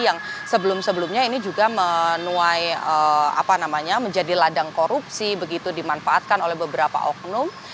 yang sebelum sebelumnya ini juga menuai apa namanya menjadi ladang korupsi begitu dimanfaatkan oleh beberapa oknum